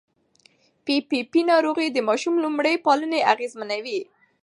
پي پي پي ناروغي د ماشوم لومړني پالنې اغېزمنوي.